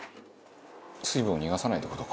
「水分を逃がさないって事か」